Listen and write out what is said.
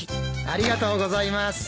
ありがとうございます。